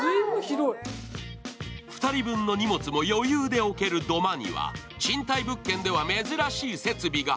２人分の荷物も余裕で置ける土間には賃貸物件では珍しい設備が。